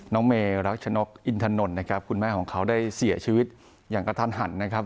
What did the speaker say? น้องเมรัชนกอินทนนท์นะครับคุณแม่ของเขาได้เสียชีวิตอย่างกระทันหันนะครับ